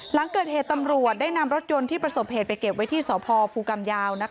หลังเกิดเหตุตำรวจได้นำรถยนต์ที่ประสบเหตุไปเก็บไว้ที่สพภูกรรมยาว